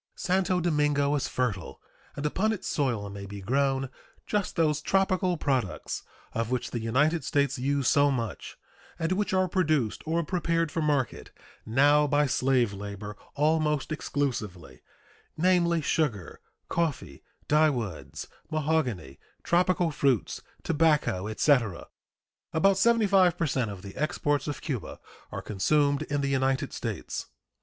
Santo Domingo is fertile, and upon its soil may be grown just those tropical products of which the United States use so much, and which are produced or prepared for market now by slave labor almost exclusively, namely, sugar, coffee, dyewoods, mahogany, tropical fruits, tobacco, etc. About 75 per cent of the exports of Cuba are consumed in the United States.